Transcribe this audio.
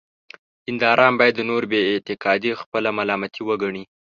دینداران باید د نورو بې اعتقادي خپله ملامتي وګڼي.